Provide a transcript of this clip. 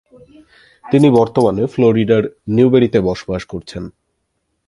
তিনি বর্তমানে ফ্লোরিডার নিউবেরিতে বসবাস করছেন।